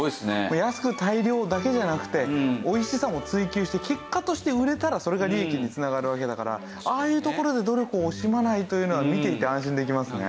安く大量だけじゃなくて美味しさも追求して結果として売れたらそれが利益に繋がるわけだからああいうところで努力を惜しまないというのは見ていて安心できますね。